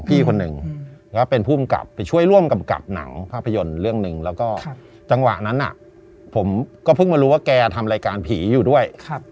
พี่คนหนึ่งแล้วก็เป็นผู้กำกับไปช่วยร่วมกำกับหนังภาพยนตร์เรื่องหนึ่งแล้วก็จังหวะนั้นผมก็เพิ่งมารู้ว่าแกทำรายการผีอยู่ด้วย